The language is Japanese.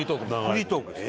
フリートークです。